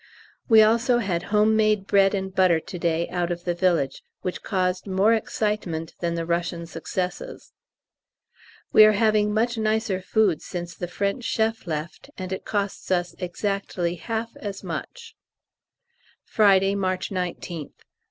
We also had home made bread and butter to day out of the village, which caused more excitement than the Russian successes. We are having much nicer food since the French chef left, and it costs us exactly half as much. _Friday, March 19th.